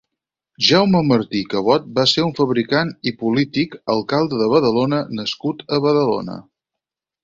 Jaume Martí i Cabot va ser un fabricant i polític, alcalde de Badalona nascut a Badalona.